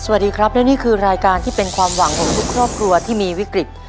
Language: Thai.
สวัสดีครับและนี่คือรายการที่เป็นความหวังของทุกครอบครัวที่มีวิกฤต